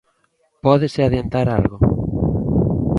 Pódese adiantar algo?